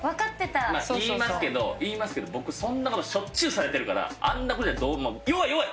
まあ言いますけど言いますけど僕そんな事しょっちゅうされてるからあんな事じゃどうも弱い弱い！